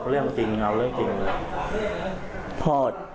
เราต้องแล้ว